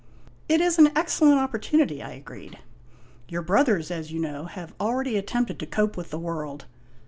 " It is an excellent opportunity," I agreed. " Your brothers, as you know, have already attempted to cope with the world."